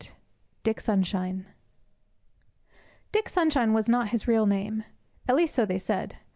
VIII DICK SUNSHINE Dick Sunshine was not his real name; at least so they said.